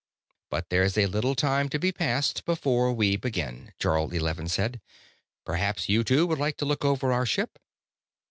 "But there's a little time to be passed before we begin," Jarl Eleven said. "Perhaps you two would like to look over our ship."